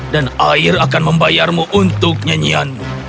dan air akan membayarmu untuk nyanyianmu